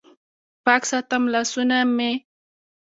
پاک ساتم لاسونه مې